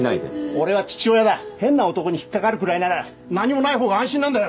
俺は父親だ変な男に引っかかるくらいなら何もないほうが安心なんだよ